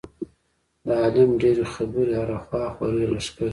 د عالم ډېرې خبرې هره خوا خورې لښکرې.